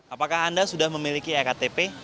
apakah anda sudah memiliki ektp